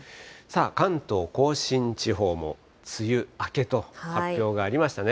関東甲信地方も梅雨明けと発表がありましたね。